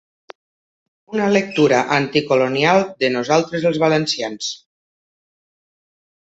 Una lectura anticolonial de ‘Nosaltres els valencians’